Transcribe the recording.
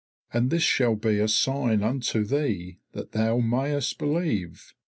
And this shall be a sign unto thee that thou mayest believe.